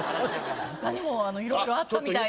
他にもいろいろあったみたい。